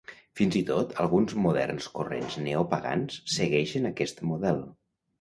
Fins i tot alguns moderns corrents neopagans segueixen aquest model.